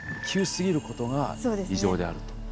急すぎることが異常であると。